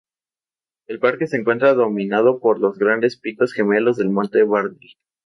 El parque se encuentra dominado por los grandes picos gemelos del Monte Barney.